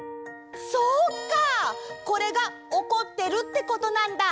そうかこれがおこってるってことなんだ。